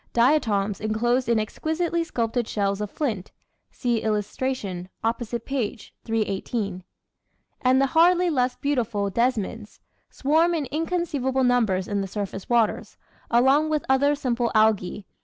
Diatoms enclosed in exquisitely sculptured shells of flint (see illustration opposite page 318), and the hardly less beautiful Desmids, swarm in inconceivable numbers in the surface waters, along with other simple Alga?